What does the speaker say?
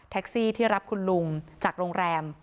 แท็กซี่ที่รับคุณลุงจากโรงแรม